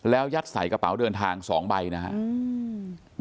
แล้วยัดใส่กระเป๋าเดินทาง๒ใบนะครับ